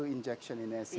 dengan injeksi blue di scr